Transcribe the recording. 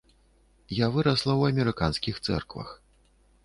Я вырасла ў амерыканскіх цэрквах.